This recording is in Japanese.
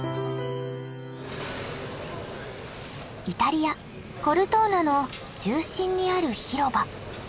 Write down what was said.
イタリア・コルトーナの中心にある広場。